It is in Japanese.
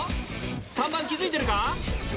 ３番気付いてるか？